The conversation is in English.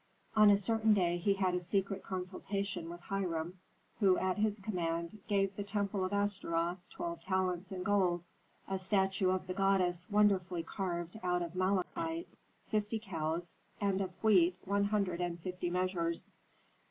On a certain day he had a secret consultation with Hiram, who at his command gave the temple of Astaroth twelve talents in gold, a statue of the goddess wonderfully carved out of malachite, fifty cows and of wheat one hundred and fifty measures.